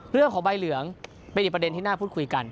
เรื่องของใบเหลืองเป็นอีกประเด็นที่น่าพูดคุยกัน